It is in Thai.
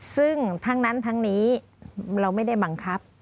ซึ่งทั้งนั้นทั้งนี้เราไม่ได้บังคับ